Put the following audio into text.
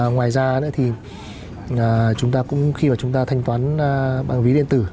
ngoài ra khi chúng ta thanh toán bằng ví điện tử